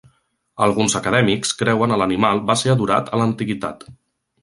Alguns acadèmics creuen a l'animal va ser adorat a l'antiguitat.